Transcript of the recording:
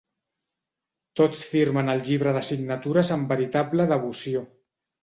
Tots firmen al llibre de signatures amb veritable devoció.